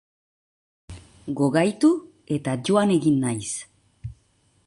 Gogaitu eta joan egin naiz.